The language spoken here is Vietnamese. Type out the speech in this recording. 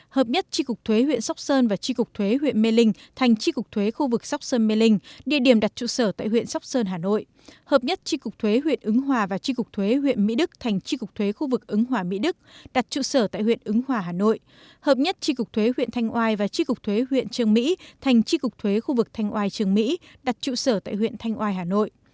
hợp nhất tri cục thuế huyện thanh oai và tri cục thuế huyện trường mỹ thành tri cục thuế khu vực thanh oai trường mỹ đặt trụ sở tại huyện thanh oai hà nội